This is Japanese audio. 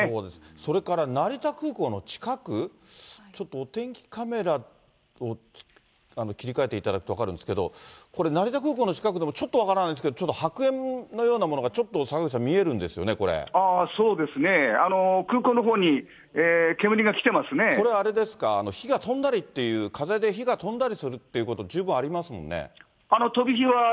それから成田空港の近く、ちょっとお天気カメラを切り替えていただくと分かるんですけど、これ、成田空港の近くでもちょっと分からないんですけれども、ちょっと白煙のようなものがちょっと坂口さん、見えるんですよね、ああ、そうですね、空港のほこれはあれですか、火が飛んだりっていう、風で火が飛んだりするっていうこと、十分ありますもんね。